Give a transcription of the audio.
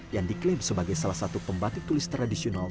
yang diklaim sebagai salah satu pembatik tulis tradisional